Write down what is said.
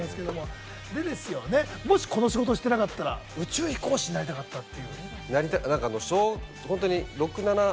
で、もしこの仕事をしてなかったら宇宙飛行士になりたかったって。